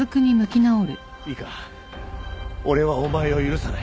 いいか俺はお前を許さない。